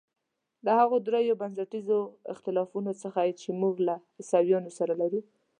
له هغو درېیو بنسټیزو اختلافونو څخه چې موږ له عیسویانو سره لرو.